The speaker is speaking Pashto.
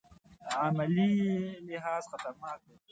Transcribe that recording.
عملي لحاظ خطرناک دی.